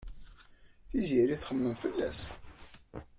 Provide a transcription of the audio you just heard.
Tiziri txemmem fell-as.